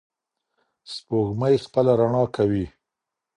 سپوږمۍ خپله رڼا کوي.